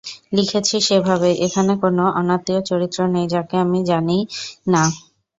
লিখেছি সেভাবেই, এখানে কোনো অনাত্মীয় চরিত্র নেই, যাকে আমি জানি না।